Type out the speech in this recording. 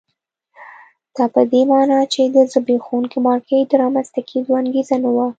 دا په دې معنی چې د زبېښونکي مارکېټ د رامنځته کېدو انګېزه نه وه.